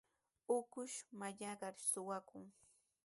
Ukush mallaqnar suqakun.